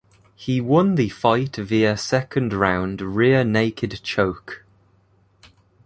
He won the fight via second round rear-naked choke.